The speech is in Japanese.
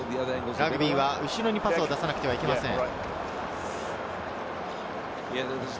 ラグビーは後ろにパスを出さなくてはいけません。